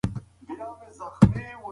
په خپلو وړتیاوو باور ولرئ.